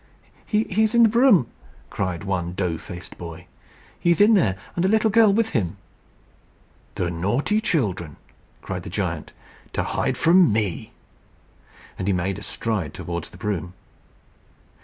"He's in the broom," cried one dough faced boy. "He's in there, and a little girl with him." "The naughty children," cried the giant, "to hide from me!" And he made a stride towards the broom.